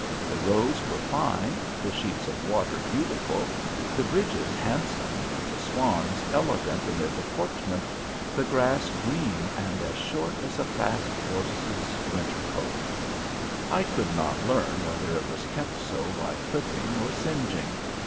The roads were fine, the sheets of water beautiful, the bridges handsome, the swans elegant in their deportment, the grass green and as short as a fast horse's winter coat. I could not learn whether it was kept so by clipping or singeing.